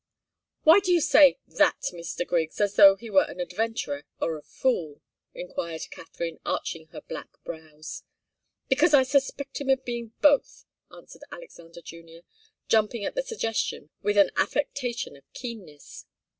"Why do you say 'that' Mr. Griggs, as though he were an adventurer or a fool?" enquired Katharine, arching her black brows. "Because I suspect him of being both," answered Alexander Junior, jumping at the suggestion with an affectation of keenness.